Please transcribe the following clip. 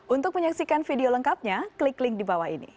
untuk menyaksikan video lengkapnya klik link di bawah ini